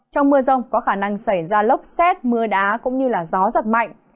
trong mưa rông có khả năng xảy ra lốc xét mưa đá cũng như gió giật mạnh